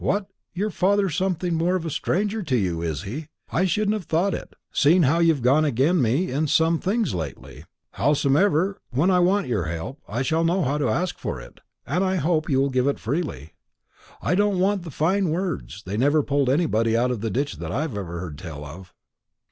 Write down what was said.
What! your father's something more than a stranger to you, is he? I shouldn't have thought it, seeing how you've gone again me in some things lately. Howsomedever, when I want your help, I shall know how to ask for it, and I hope you'll give it freely. I don't want fine words; they never pulled anybody out of the ditch that I've heard tell of."